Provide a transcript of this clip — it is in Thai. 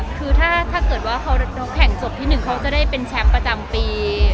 คือถ้าเกิดว่าเขาแข่งจบที่๑เขาจะได้เป็นแชมป์ประจำปี